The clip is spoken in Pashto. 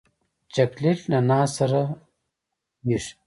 چاکلېټ له ناز سره خورېږي.